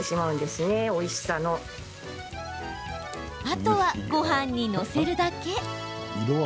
あとは、ごはんに載せるだけ。